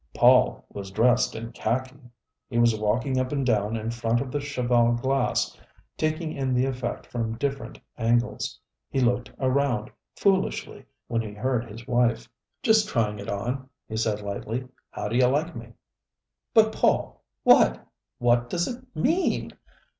Paul was dressed in khaki! He was walking up and down in front of the cheval glass, taking in the effect from different angles. He looked around foolishly when he heard his wife. "Just trying it on," he said lightly. "How do you like me?" "But Paul what what does it _mean?